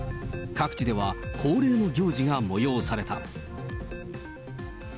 各地では恒例の行事が催された。